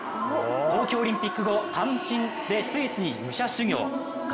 東京オリンピック後、単身でスイスに武者修行。